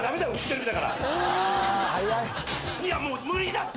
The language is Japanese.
いやもう無理だって！